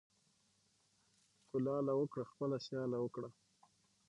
ـ کولاله وکړه خپله سياله وکړه.